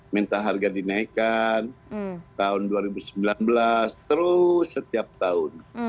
minta harga dinaikkan tahun dua ribu sembilan belas terus setiap tahun